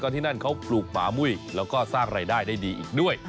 ที่นั่นเขาปลูกหมามุ้ยแล้วก็สร้างรายได้ได้ดีอีกด้วย